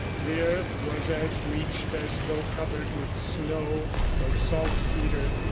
The earth was as bleached as though covered with snow or saltpetre.